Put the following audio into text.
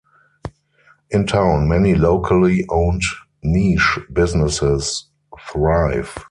In town, many locally owned niche businesses thrive.